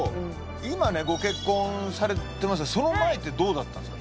今ねご結婚されてますがその前ってどうだったんですか？